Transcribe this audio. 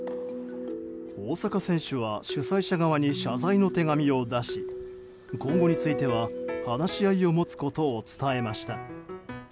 大坂選手は主催者側に謝罪の手紙を出し今後については話し合いを持つことを伝えました。